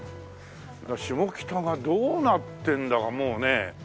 下北がどうなってるんだかもうね。